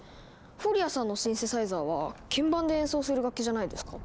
フォリアさんのシンセサイザーは鍵盤で演奏する楽器じゃないですか？